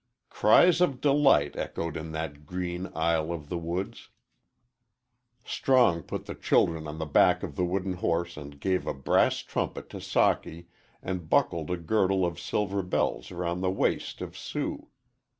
Cries of delight echoed in that green aisle of the woods. Strong put the children on the back of the wooden horse and gave a brass trumpet to Socky and buckled a girdle of silver bells around the waist of Sue.